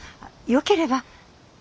よければ。